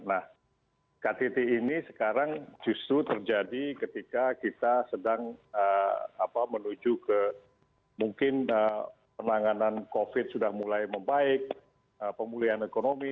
nah ktt ini sekarang justru terjadi ketika kita sedang menuju ke mungkin penanganan covid sudah mulai membaik pemulihan ekonomi